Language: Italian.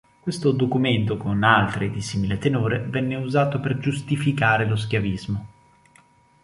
Questo documento, con altri di simile tenore, venne usato per giustificare lo schiavismo.